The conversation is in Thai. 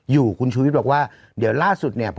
อยู่กูช่วยบอกว่าเดี๋ยวล่าสุดเนี่ยว่า